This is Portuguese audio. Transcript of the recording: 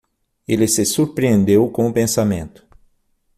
Ele se surpreendeu com o pensamento.